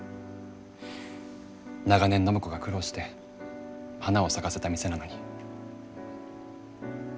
長年暢子が苦労して花を咲かせた店なのに。